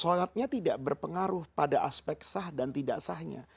sholatnya tidak berpengaruh pada aspek sah dan tidak sahnya